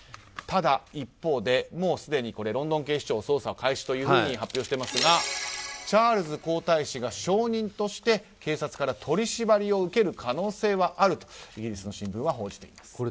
ただ、一方でもうすでにロンドン警視庁は捜査を開始というふうに発表していますがチャールズ皇太子が証人として警察から取り締まりを受ける可能性はあるとイギリスの新聞は報じています。